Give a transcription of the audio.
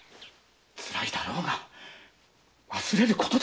辛いだろうが忘れることだ。